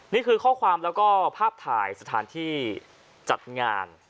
นี่คือข้อความแล้วก็ภาพถ่ายสถานที่จัดงาน